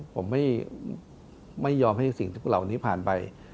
ผมไม่ยอมให้สิ่งทุกเหล่านี้ผ่านไป